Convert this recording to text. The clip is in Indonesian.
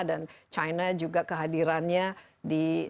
dan china juga kehadirannya di